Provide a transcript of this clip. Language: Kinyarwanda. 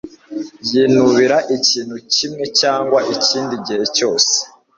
Yinubira ikintu kimwe cyangwa ikindi gihe cyose